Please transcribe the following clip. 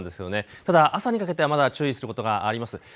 ただ朝にかけてはまだ注意することがあります。